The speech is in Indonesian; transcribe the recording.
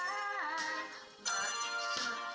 kata demi kata